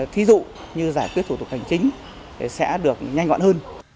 thí dụ như giải quyết thủ tục hành chính sẽ được nhanh gọn hơn